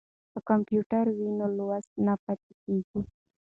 که کمپیوټر وي نو لوست نه پاتې کیږي.